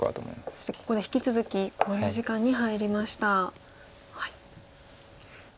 そしてここで引き続き考慮時間に入りました。